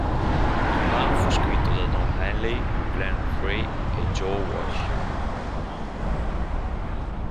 Il brano fu scritto da Don Henley, Glenn Frey e Joe Walsh.